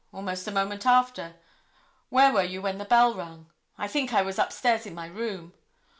Almost a moment after: 'Where were you when the bell rung?' 'I think I was upstairs in my room.